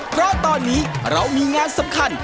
เพราะตอนนี้เรามีงานสำคัญ